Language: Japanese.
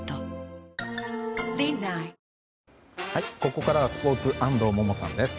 ここからはスポーツ安藤萌々さんです。